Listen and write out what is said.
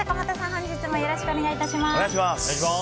本日もよろしくお願いいたします。